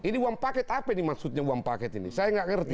ini uang paket apa ini maksudnya uang paket ini saya nggak ngerti